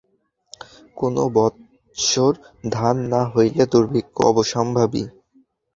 কোন বৎসর ধান না হইলে দুর্ভিক্ষ অবশ্যম্ভাবী।